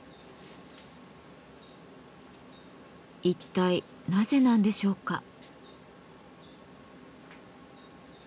一体なぜなんでしょうか？